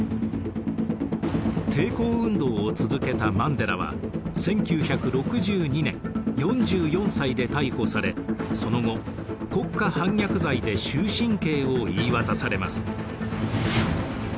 抵抗運動を続けたマンデラは１９６２年４４歳で逮捕されその後国家反逆罪で終身刑を言い渡されます。